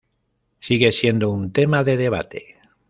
Sigue siendo un tema de debate.